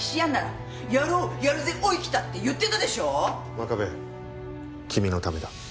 真壁君のためだ。